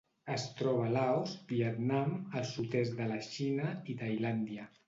Es troba a Laos, Vietnam, el sud-est de la Xina i Tailàndia.